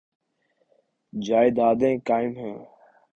جائیدادیں قائم ہیں۔